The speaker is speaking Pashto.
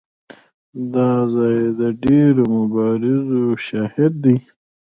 دا ځای د ډېرو مبارزو شاهد دی.